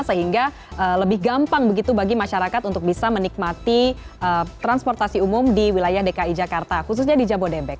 sehingga lebih gampang begitu bagi masyarakat untuk bisa menikmati transportasi umum di wilayah dki jakarta khususnya di jabodebek